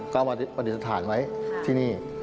ก็มาปฏิสถานไว้ที่นี่